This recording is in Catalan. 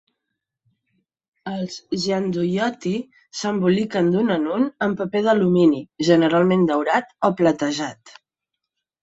Els Gianduiotti s'emboliquen d'un en un en paper d'alumini, generalment daurat o platejat.